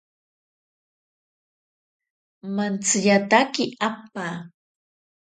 Mantsiyatake apaa.